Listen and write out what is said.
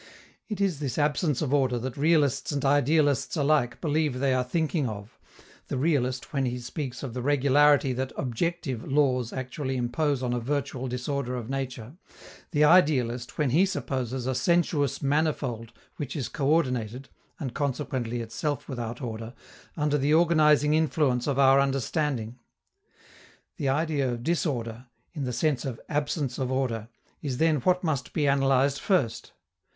It is this absence of order that realists and idealists alike believe they are thinking of the realist when he speaks of the regularity that "objective" laws actually impose on a virtual disorder of nature, the idealist when he supposes a "sensuous manifold" which is coördinated (and consequently itself without order) under the organizing influence of our understanding. The idea of disorder, in the sense of absence of order, is then what must be analyzed first.